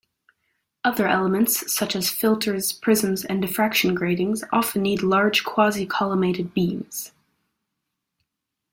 Other elements, such as filters, prisms and diffraction gratings often need large quasi-collimated beams.